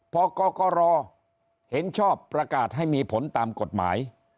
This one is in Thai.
พอกรกรเห็นชอบประกาศให้มีผลตามกฎหมาย